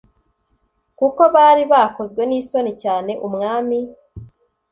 kuko bari bakozwe n isoni cyane umwami